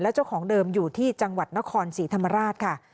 และเจ้าของเดิมอยู่ที่จังหวัดนคร๔ธรรมราช